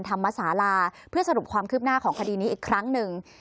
ธรรมศาลาเพื่อสรุปความคืบหน้าของคดีนี้อีกครั้งหนึ่ง